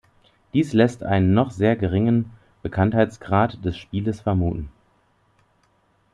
Dies lässt einen noch sehr geringen Bekanntheitsgrad des Spieles vermuten.